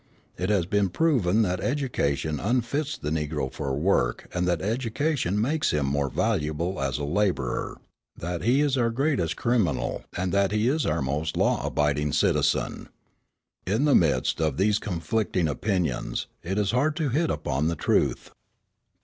It has been proven that education unfits the Negro for work and that education makes him more valuable as a labourer, that he is our greatest criminal and that he is our most law abiding citizen. In the midst of these conflicting opinions, it is hard to hit upon the truth.